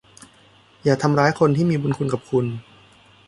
อย่าทำร้ายคนที่มีบุญคุณกับคุณ